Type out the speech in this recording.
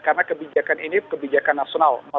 karena kebijakan ini kebijakan nasional